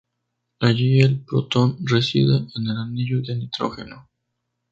Allí el protón reside en el anillo de nitrógeno.